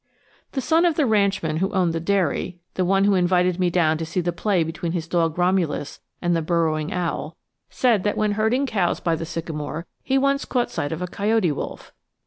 The son of the ranchman who owned the dairy the one who invited me down to see the play between his dog Romulus and the burrowing owl said that when herding cows by the sycamore he once caught sight of a coyote wolf.